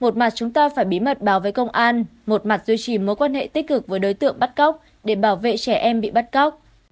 một mặt chúng ta phải bí mật báo với công an một mặt duy trì mối quan hệ tích cực với đối tượng bắt cóc để bảo vệ trẻ em bị bắt cóc